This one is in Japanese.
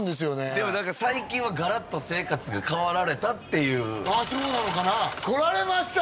でもなんか最近はガラッと生活が変わられたっていうそうなのかな来られました